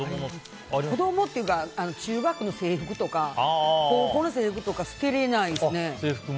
子供というか、中学の制服とか高校の制服とか捨てれないですね。